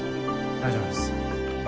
大丈夫です。